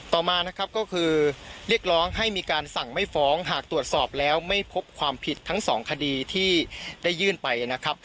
ต่อมานะครับก็คือเรียกร้องให้มีการสั่งไม่ฟ้องหากตรวจสอบแล้วไม่พบความผิดทั้งสองคดีที่ได้ยื่นไปนะครับ